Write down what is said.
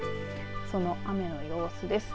その雨の様子です。